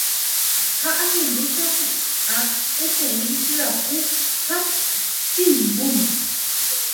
Ha ahendu sapy’a peteĩ hyapu ha chimbúm.